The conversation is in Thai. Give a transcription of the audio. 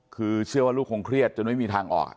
คือเชื่อว่าลูกคงเครียดจนไม่มีทางออก